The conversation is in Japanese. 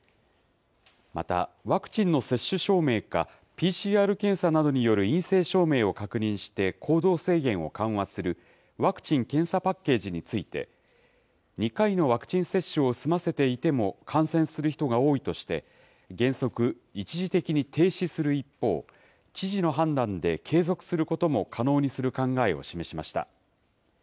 また、ワクチンの接種証明かＰＣＲ検査などによる陰性証明を確認して行動制限を緩和するワクチン・検査パッケージについて、２回のワクチン接種を済ませていても感染する人が多いとして、原則、一時的に停止する一方、知事の判断で継続することも可能にする考えを示しました。